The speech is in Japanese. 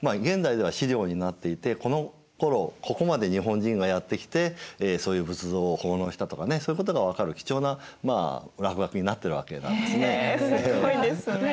現代では史料になっていてこのころここまで日本人がやって来てそういう仏像を奉納したとかねそういうことが分かる貴重な落書きになってるわけなんですね。